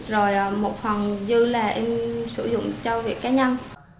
rồi một phần dư là em sử dụng cho việc cá nhân